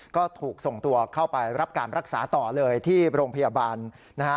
ก็ถูกส่งตัวเข้าไปรับการรักษาต่อเลยที่โรงพยาบาลนะฮะ